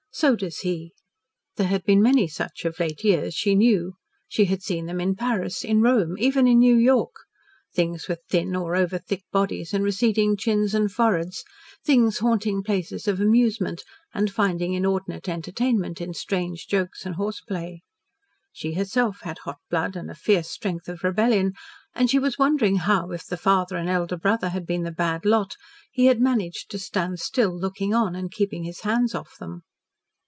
So does he." There had been many such of late years, she knew. She had seen them in Paris, in Rome, even in New York. Things with thin or over thick bodies and receding chins and foreheads; things haunting places of amusement and finding inordinate entertainment in strange jokes and horseplay. She herself had hot blood and a fierce strength of rebellion, and she was wondering how, if the father and elder brother had been the "bad lot," he had managed to stand still, looking on, and keeping his hands off them.